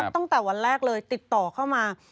ตั้งแต่วันแรกเลยติดต่อเข้ามา